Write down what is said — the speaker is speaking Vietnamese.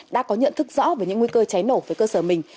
đã có nhận thức rõ về những nguy cơ cháy nổ với cơ sở mình